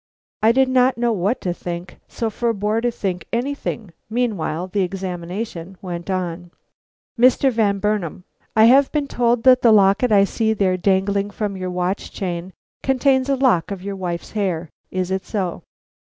I did not know what to think; so forbore to think anything. Meanwhile the examination went on. "Mr. Van Burnam, I have been told that the locket I see there dangling from your watch chain contains a lock of your wife's hair. Is it so?"